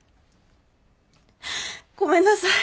ごめんなさい。